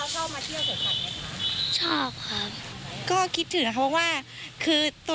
แล้วชอบมาเที่ยวสดขัดไหมครับ